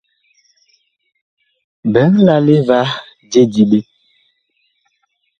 Biig lale va je diɓe.